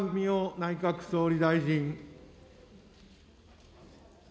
内閣総理大臣。